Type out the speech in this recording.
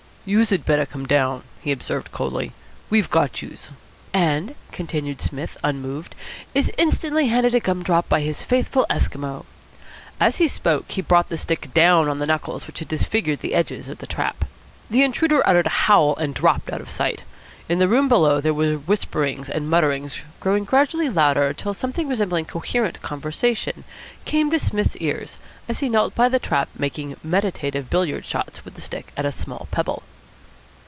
"Youse had better come down," he observed coldly. "We've got youse." "And," continued Psmith, unmoved, "is instantly handed a gum drop by his faithful Esquimaux." As he spoke, he brought the stick down on the knuckles which disfigured the edges of the trap. The intruder uttered a howl and dropped out of sight. In the room below there were whisperings and mutterings, growing gradually louder till something resembling coherent conversation came to Psmith's ears, as he knelt by the trap making meditative billiard shots with the stick at a small pebble.